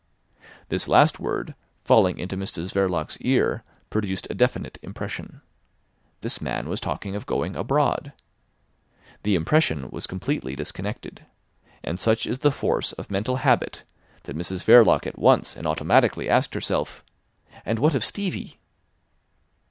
This last word, falling into Mrs Verloc's ear, produced a definite impression. This man was talking of going abroad. The impression was completely disconnected; and such is the force of mental habit that Mrs Verloc at once and automatically asked herself: "And what of Stevie?"